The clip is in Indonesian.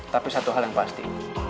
tapi satu hal yang pasti